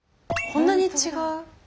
こんなに違う。